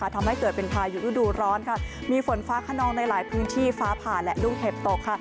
ทำให้เกิดเป็นพายุฤดูร้อนค่ะมีฝนฟ้าขนองในหลายพื้นที่ฟ้าผ่าและลูกเห็บตกค่ะ